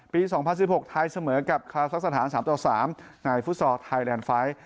๒๐๑๖ไทยเสมอกับคาซักสถาน๓ต่อ๓ในฟุตซอลไทยแลนด์ไฟล์